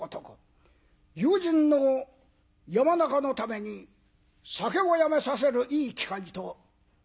友人の山中のために酒をやめさせるいい機会と。